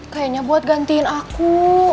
kayaknya buat gantiin aku